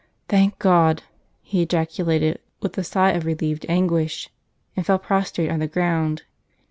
'Thank God !' he ejaculated, with the sigh of relieved anguish, and fell prostrate on the ground.